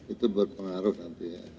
itu berpengaruh nanti ya